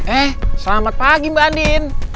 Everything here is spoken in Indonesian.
eh selamat pagi mbak andin